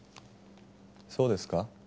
そうですか？